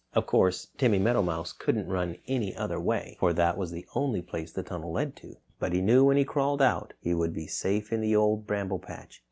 Of course, Timmy Meadowmouse couldn't run any other way, for that was the only place the tunnel led to. But he knew when he crawled out he would be safe in the Old Bramble Patch.